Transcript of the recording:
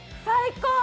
最高！